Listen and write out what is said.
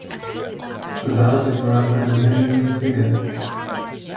That is rather an amazing figure.